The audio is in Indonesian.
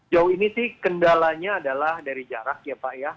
jauh ini sih kendalanya adalah dari jarak ya pak ya